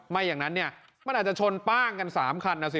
ไม่อย่างนั้นเนี่ยมันอาจจะชนป้างกัน๓คันนะสิ